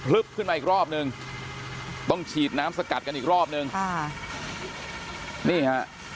ขึ้นมาอีกรอบนึงต้องฉีดน้ำสกัดกันอีกรอบนึงค่ะนี่ฮะ